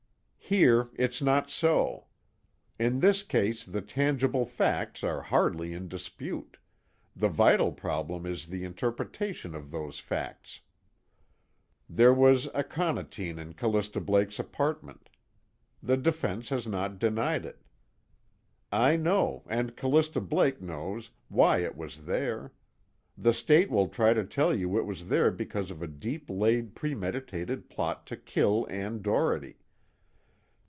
"Here it's not so. In this case the tangible facts are hardly in dispute, the vital problem is the interpretation of those facts. There was aconitine in Callista Blake's apartment; the defense has not denied it. I know, and Callista Blake knows, why it was there; the State will try to tell you it was there because of a deep laid premeditated plot to kill Ann Doherty.